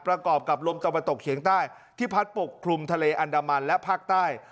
ประกอบกับลมตะวันตกเฉียงใต้ที่พัดปกคลุมทะเลอันดามันและภาคใต้